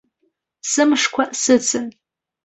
Сымшқәа сыцын.